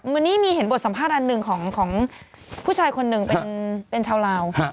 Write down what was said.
วันนี้มีเห็นบทสัมภาษณ์อันหนึ่งของผู้ชายคนหนึ่งเป็นชาวลาว